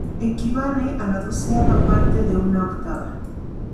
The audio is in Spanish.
Equivale a la doceava parte de una octava.